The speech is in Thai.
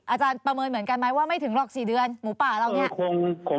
อาจารย์ประเมินเหมือนกันไหมว่าไม่ถึงหรอก๔เดือนหมูป่าเราเนี่ย